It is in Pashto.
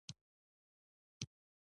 خان زمان وویل، سمه ده.